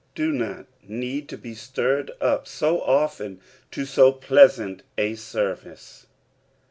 Do not need to be stirred up so often to so pleasant a service.